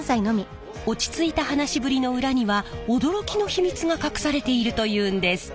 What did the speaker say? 落ち着いた話しぶりの裏には驚きの秘密が隠されているというんです。